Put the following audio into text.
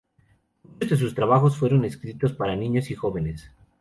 Muchos de sus trabajos fueron escritos para niños y jóvenes.